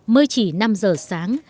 mới chỉ năm giờ sáng